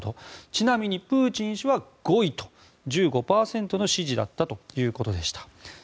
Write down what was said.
ちなみにプーチン氏は５位と１５％の支持だったということでした。